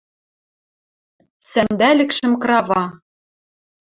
Сӓндалӹкшӹм крава.